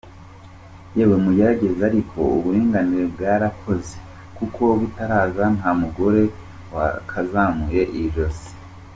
yewe mugerageze ariko uburinganire bwaragakoze kuko butaraza ntamugore wari wakazamuye ijosi.